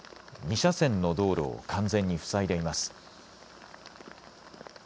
２車線の道路を完全に塞いでいます。